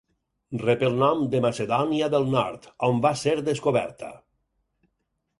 Rep el nom de Macedònia del Nord, on va ser descoberta.